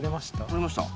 撮れました。